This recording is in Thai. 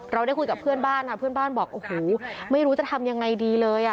เราได้คุยกับเพื่อนบ้านค่ะเพื่อนบ้านบอกโอ้โหไม่รู้จะทำยังไงดีเลย